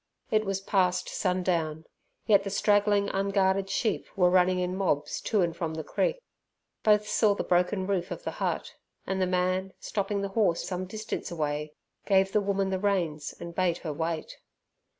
It was past sundown, yet the straggling unguarded sheep were running in mobs to and from the creek. Both saw the broken roof of the hut, and the man, stopping the horse some distance away, gave the woman the reins and bade her wait.